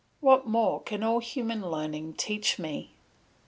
What more can all human learning teach me?